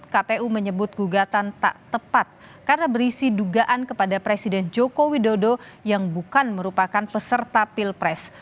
kpu menyebut gugatan tak tepat karena berisi dugaan kepada presiden joko widodo yang bukan merupakan peserta pilpres